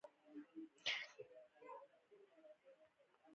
دې سفر د هغه په فکر ژور تاثیر وکړ.